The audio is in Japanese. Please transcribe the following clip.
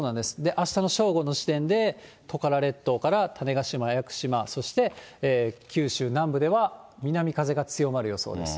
あしたの正午の時点で、トカラ列島から種子島・屋久島、そして九州南部では南風が強まる予想です。